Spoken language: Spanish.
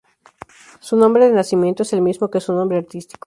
Su nombre de nacimiento es el mismo que su nombre artístico.